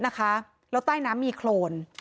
แล้วใต้น้ำมีโครน